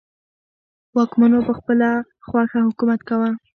واکمنو په خپله خوښه حکومت کاوه.